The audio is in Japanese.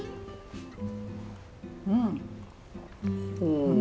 うん。